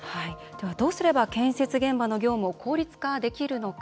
ではどうすれば建設現場の業務を効率化できるのか。